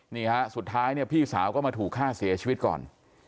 นี่ฮะสุดท้ายเนี่ยพี่สาวก็มาถูกฆ่าเสียชีวิตก่อน